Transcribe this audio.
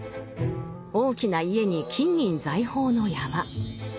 大きな家に金銀財宝の山。